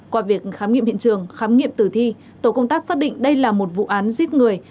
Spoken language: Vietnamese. qua việc khám nghiệm hiện trường khám nghiệm tử thi tổ công tác xác định đây là một vụ án giết người